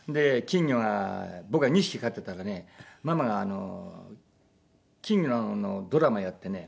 金魚が僕は２匹飼ってたらねママが金魚のドラマやってね